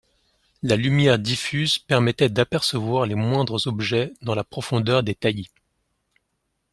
La lumière diffuse permettait d’apercevoir les moindres objets dans la profondeur des taillis.